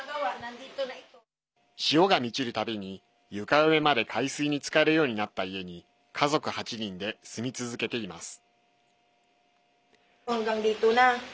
潮が満ちるたびに床上まで海水につかるようになった家に家族８人で住み続けています。